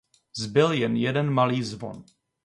Zbyl jen jeden malý zvon.